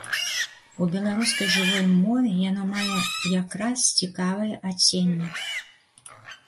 У беларускай жывой мове яно мае якраз цікавае адценне.